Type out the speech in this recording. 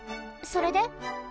それで？